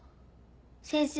先生